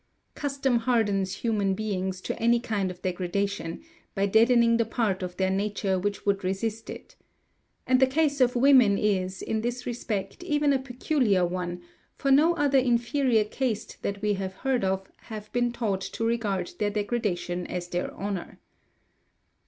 Custom hardens human beings to any kind of degradation, by deadening the part of their nature which would resist it. And the case of women is, in this respect, even a peculiar one, for no other inferior caste that we have heard of have been taught to regard their degradation as their honour."